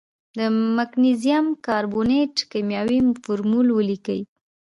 د مګنیزیم کاربونیټ کیمیاوي فورمول ولیکئ.